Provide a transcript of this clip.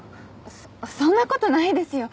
そそんなことないですよ。